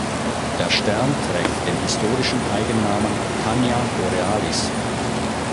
Der Stern trägt den historischen Eigennamen Tania Borealis.